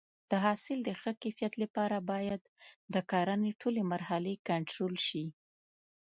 د حاصل د ښه کیفیت لپاره باید د کرنې ټولې مرحلې کنټرول شي.